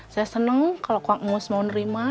saya seneng kalau kang umus mau nerima